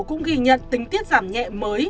cũng ghi nhận tinh tiết giảm nhẹ mới